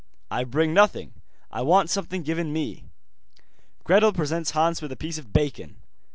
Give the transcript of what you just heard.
'I bring nothing, I want something given me.' Gretel presents Hans with a piece of bacon.